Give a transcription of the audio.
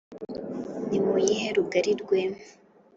nimuyihe rugari rwema